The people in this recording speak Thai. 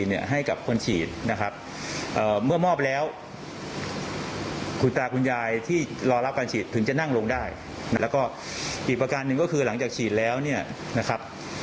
อีกประการหนึ่งก็คือหลังจากฉีดแล้วนะครับ